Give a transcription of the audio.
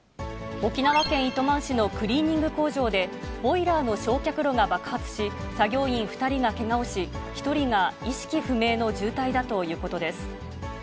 沖縄県糸満市のクリーニング工場で、ボイラーの焼却炉が爆発し、作業員２人がけがをし、１人が意識不明の重体だということです。